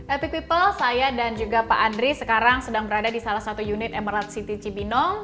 epic people saya dan juga pak andri sekarang sedang berada di salah satu unit emerald city cibinong